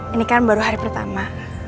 ini kan baru hari pertama